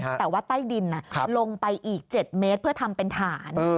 แต่ว่าใต้ดินลงไปอีก๗เมตรเพื่อทำเป็นฐาน